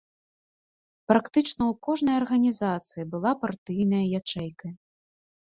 Практычна ў кожнай арганізацыі была партыйная ячэйка.